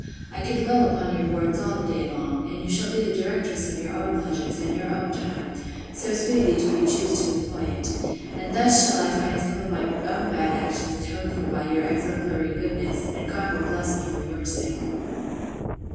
I could dwell upon your words all the day long; and you shall be the directress of your own pleasures, and your own time, so sweetly do you choose to employ it: and thus shall I find some of my own bad actions atoned for by your exemplary goodness, and God will bless me for your sake.